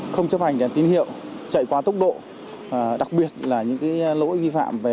không chấp hành đến tín hiệu chạy quá tốc độ đặc biệt là những lỗi vi phạm về nông độ cồn